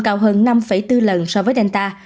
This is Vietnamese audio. cao hơn năm bốn lần so với delta